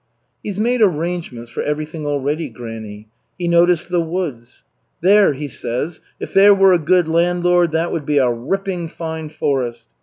"' "He's made arrangements for everything already, granny. He noticed the woods. 'There,' he says, 'if there were a good landlord, that would be a ripping fine forest.'